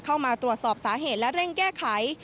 เข้ามาตรวจสอบสาเหตุและเร่งแก้ไข